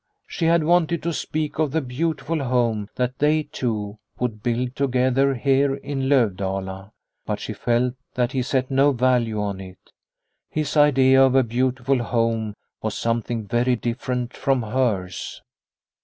She had wanted to speak of the beautiful home that they two would build together here in Lovdala, but she felt that he set no value on it. His idea of a beautiful home was something very different from hers.